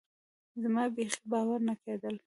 زما بيخي باور نه کېده.